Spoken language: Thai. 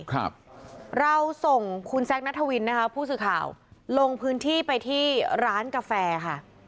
ครับเราส่งคุณแซคนัทวินนะคะผู้สื่อข่าวลงพื้นที่ไปที่ร้านกาแฟค่ะ